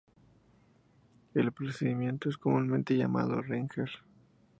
El procedimiento es comúnmente llamado "ringer".